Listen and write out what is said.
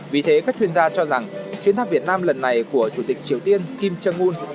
vì thế các chuyên gia cho rằng chuyến thăm việt nam lần này của chủ tịch triều tiên kim jong un